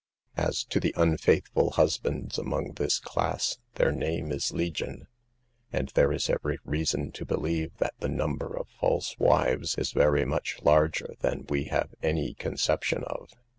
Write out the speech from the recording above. As to the unfaithful husbands among this class, their name is legion ; and there is every reason to believe that the number of false wives is very much larger than we have any conception of.